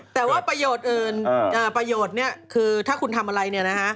แต่ว่าประโยชน์อื่นคือถ้าคุณทำอะไร